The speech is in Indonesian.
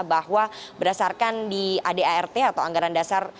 bahwa berdasarkan di adart atau anggaran dasar